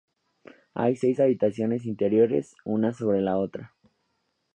Hay seis habitaciones interiores, una sobre la otra.